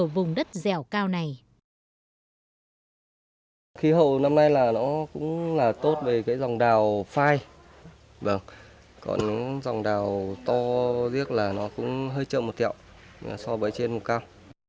vâng còn những dòng đào to riếc là nó cũng hơi chậm một tiệu so với trên một cao